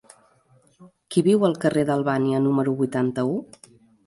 Qui viu al carrer d'Albània número vuitanta-u?